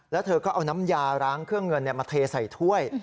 แล้วเธอก็เอาน้ำยาล้างเครื่องเงินมาเทใส่ถ้วย